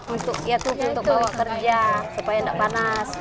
untuk bawa kerja supaya enggak panas